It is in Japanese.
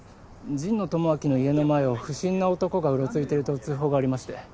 神野智明の家の前を不審な男がうろついていると通報がありまして。